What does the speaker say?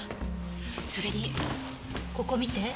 それにここ見て。